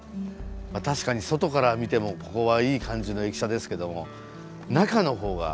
確かに外から見てもここはいい感じの駅舎ですけども中の方が。